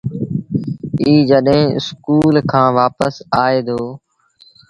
ائيٚݩ جڏهيݩ اسڪُول کآݩ وآپس آئي دو